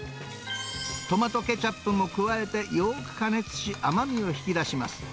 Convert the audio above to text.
トマトケチャップも加えてよーく加熱し、甘みを引き出します。